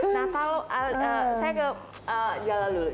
nah kalau saya ke jalal dulu